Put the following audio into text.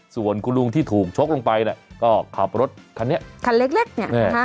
ส่วนคุณลุงที่ถูกชกลงไปเนี่ยก็ขับรถคันนี้คันเล็กเนี่ย